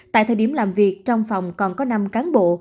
tại thời điểm làm việc trong phòng còn có năm cán bộ